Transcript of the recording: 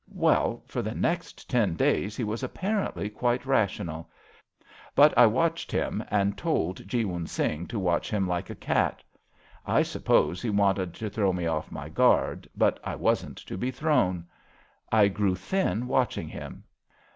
^^ Well, for the next ten days he was apparently quite rational ; but I watched him and told Jeewun Singh to watch him like a cat. I suppose he wanted to throw me off my guard, but I wasn't to be thrown. I grew thin watching him.